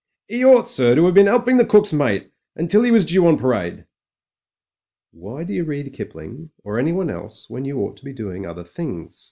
" 'E ought, sir, to 'ave been 'elping the cook's mate — until 'e was due on parade." "Why do you read Kipling or anyone else when you ought to be doing other things?"